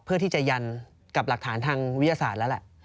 เพื่อที่จะยันกับหลักฐานทางวิทยาศาสตร์แล้วแหละ